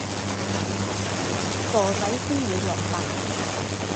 傻仔先會落疊